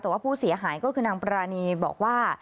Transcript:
แต่ว่าผู้เสียหายก็คือนางปรานีบอกว่า